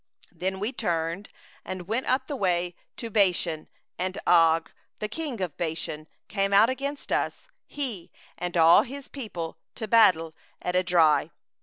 Then we turned, and went up the way to Bashan; and Og the king of Bashan came out against us, he and all his people, unto battle at Edrei.